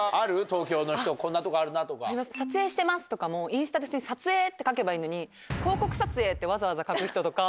東京の人こんなとこあるなとか。とかもインスタで普通に撮影って書けばいいのに広告撮影ってわざわざ書く人とか。